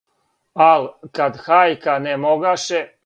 Ал' кад хајка не могаше